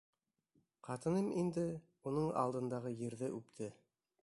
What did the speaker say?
Ҡатыным инде, уның алдындағы ерҙе үпте.